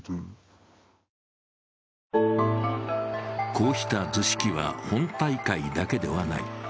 こうした図式は本大会だけではない。